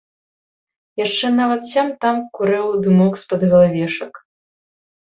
Яшчэ нават сям-там курэў дымок з-пад галавешак.